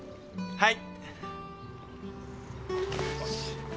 はい。